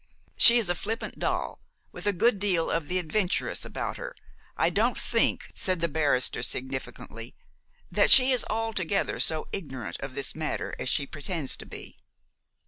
She is a flippant doll, with a good deal of the adventuress about her. I don't think," said the barrister significantly, "that she is altogether so ignorant of this matter as she pretends to be."